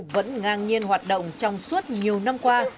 vẫn ngang nhiên hoạt động trong suốt nhiều năm qua